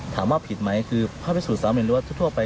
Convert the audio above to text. ถามว่าผิดไหมคือภาพฤติศูนย์สามเมืองรวดทั่วไป